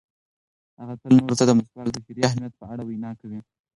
هغه تل نورو ته د مسواک د شرعي اهمیت په اړه وینا کوي.